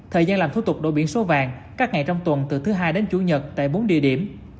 thời gian làm thủ tục đổi biển số vàng các ngày trong tuần từ thứ hai đến chủ nhật tại bốn địa điểm